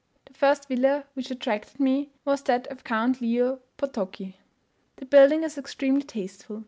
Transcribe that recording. The first villa which attracted me was that of Count Leo Potocki. The building is extremely tasteful.